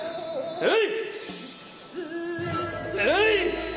えい！